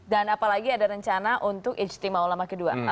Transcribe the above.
dan apalagi ada rencana untuk istimewa ulama kedua